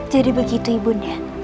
jadi begitu ibu nia